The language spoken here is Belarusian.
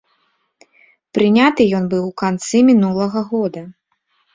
Прыняты ён быў у канцы мінулага года.